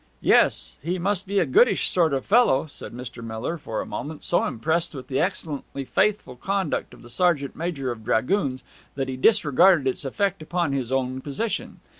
'Yes ... He must be a goodish sort of fellow,' said Mr. Miller, for a moment so impressed with the excellently faithful conduct of the sergeant major of dragoons that he disregarded its effect upon his own position.